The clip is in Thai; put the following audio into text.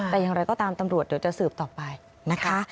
แต่อย่างไรก็ตามตำรวจเดี๋ยวจะสืบต่อไปนะคะ